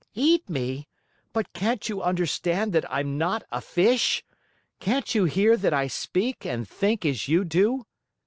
"Eat me? But can't you understand that I'm not a fish? Can't you hear that I speak and think as you do?"